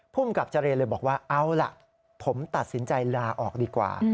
ภูมิกับเจรเลยบอกว่าเอาล่ะผมตัดสินใจลาออกดีกว่า